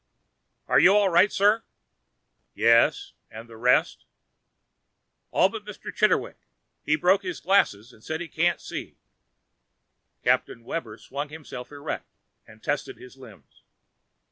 "Are you all right, sir?" "Yes. The rest?" "All but Mr. Chitterwick. He broke his glasses and says he can't see." Captain Webber swung himself erect and tested his limbs.